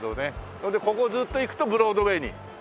それでここずっと行くとブロードウェイになる。